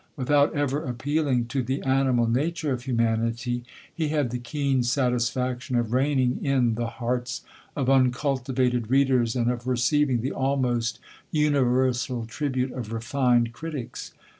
Without ever appealing to the animal nature of humanity, he had the keen satisfaction of reigning in the hearts of uncultivated readers, and of receiving the almost universal tribute of refined critics.